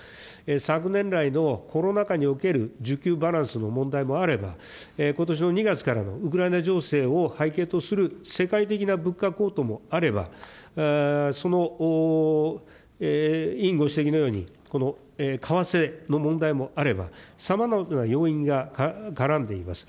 昨年来のコロナ禍における需給バランスの問題もあれば、ことしの２月からのウクライナ情勢を背景とする世界的な物価高騰もあれば、その委員ご指摘のように為替の問題もあれば、さまざまな要因が絡んでいます。